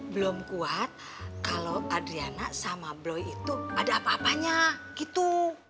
belum kuat kalau adriana sama bloy itu ada apa apanya gitu